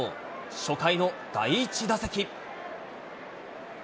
初回の第１打席。